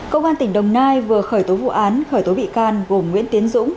công an tỉnh đồng nai vừa khởi tố vụ án khởi tố bị can gồm nguyễn tiến dũng